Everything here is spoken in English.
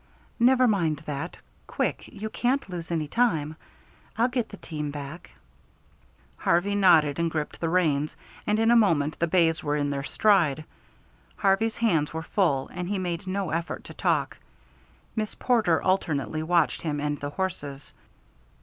"Never mind that. Quick; you can't lose any time. I'll get the team back." Harvey nodded and gripped the reins, and in a moment the bays were in their stride. Harvey's hands were full, and he made no effort to talk. Miss Porter alternately watched him and the horses.